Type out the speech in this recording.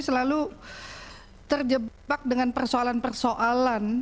selalu terjebak dengan persoalan persoalan